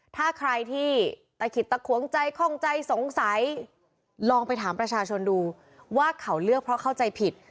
ถ้าใครที่ตะขิดตะขวงใจข้องใจสงสัยลองไปถามประชาชนดูว่าเขาเลือกเพราะเข้าใจผิด